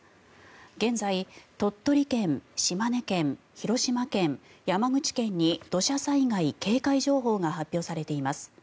現在、鳥取県、島根県広島県、山口県に土砂災害警戒情報が発表されています。